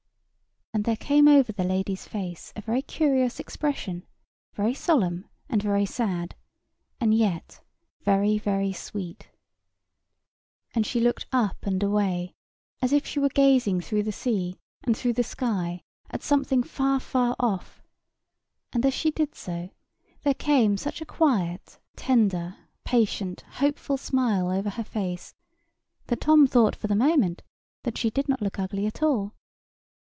And there came over the lady's face a very curious expression—very solemn, and very sad; and yet very, very sweet. And she looked up and away, as if she were gazing through the sea, and through the sky, at something far, far off; and as she did so, there came such a quiet, tender, patient, hopeful smile over her face that Tom thought for the moment that she did not look ugly at all.